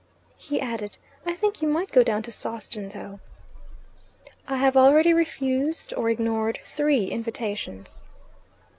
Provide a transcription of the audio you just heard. He added, "I think you might go down to Sawston, though." "I have already refused or ignored three invitations."